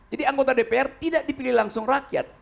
jadi anggota dpr tidak dipilih langsung rakyat